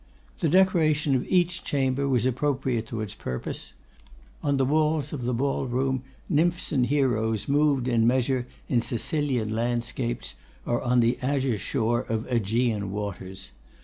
The decoration of each chamber was appropriate to its purpose. On the walls of the ball room nymphs and heroes moved in measure in Sicilian landscapes, or on the azure shores of Aegean waters.